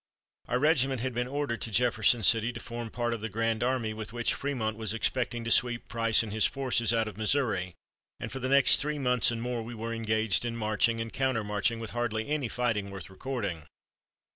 Our regiment had been ordered to Jefferson City to form part of the grand army with which Frémont was expected to sweep Price and his forces out of Missouri, and for the next three months and more we were engaged in marching and counter marching with hardly any fighting worth recording.